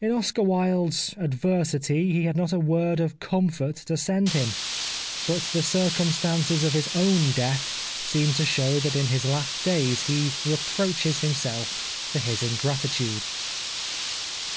In Oscar Wilde's 217 The Life of Oscar Wilde adversity he had not a word of comfort to send him, but the circumstances of his own death seem to show that in his last days he reproaches himself for his ingratitude.